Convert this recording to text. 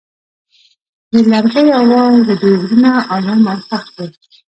د لرګی اواز د دوی زړونه ارامه او خوښ کړل.